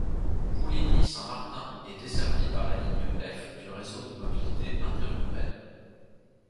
Pouligny-Saint-Martin est desservie par la ligne F du Réseau de mobilité interurbaine.